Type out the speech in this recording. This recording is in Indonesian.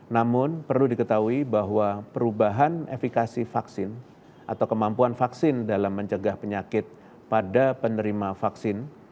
namun perlu diketahui bahwa perubahan efikasi vaksin atau kemampuan vaksin dalam mencegah penyakit pada penerima vaksin